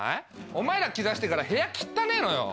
お前ら来だしてから部屋汚ったねぇのよ。